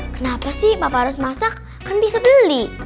kenapa sih bapak harus masak kan bisa beli